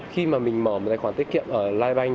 khi mà mình mở một tài khoản tiết kiệm ở libank